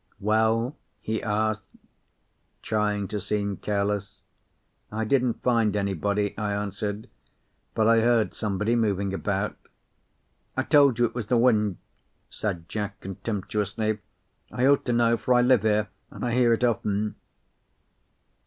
"Well?" he asked, trying to seem careless. "I didn't find anybody," I answered, "but I heard somebody moving about." "I told you it was the wind," said Jack contemptuously. "I ought to know, for I live here, and I hear it often."